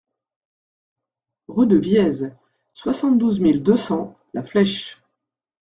Rue de Viez, soixante-douze mille deux cents La Flèche